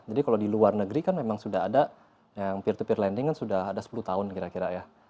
jadi kalau di luar negeri kan memang sudah ada yang peer to peer lending kan sudah ada sepuluh tahun kira kira ya